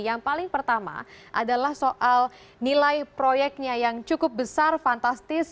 yang paling pertama adalah soal nilai proyeknya yang cukup besar fantastis